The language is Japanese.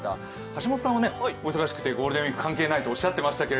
橋本さんはお忙しくてゴールデンウイーク関係ないと言ってましたが。